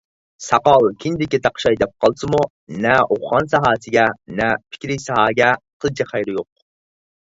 ساقال كىندىككە تاقىشاي دەپ قالسىمۇ نە ئوقۇغان ساھەسىگە، نە پىكرىي ساھەگە قىلچە خەيرى يوق.